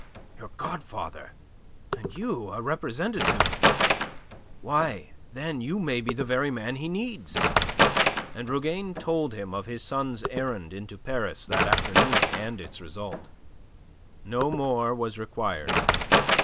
"Your godfather! And you a representative! Why, then, you may be the very man he needs." And Rougane told him of his son's errand into Paris that afternoon and its result. No more was required.